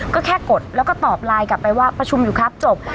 ก็แค่กดแล้วก็ตอบไลน์กลับไปว่าประชุมอยู่ครับจบ